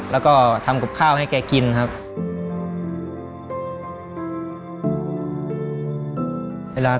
แล้วก็ทำกับข้าวให้แกกินครับ